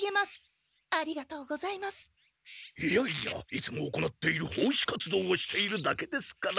いつも行っている奉仕活動をしているだけですから。